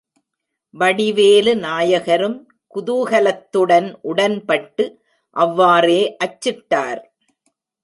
வடிவேலு நாயகரும் குதூஹலத்துடன் உடன்பட்டு அவ்வாறே அச்சிட்டார்.